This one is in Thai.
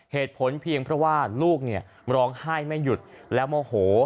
เหตุผลเพียงเพราะว่าลูกเนี่ยร้องไห้ไม่หยุดแล้วโมโห